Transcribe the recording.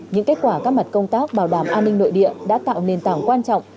những kết quả các mặt công tác bảo đảm an ninh nội địa đã tạo nền tảng quan trọng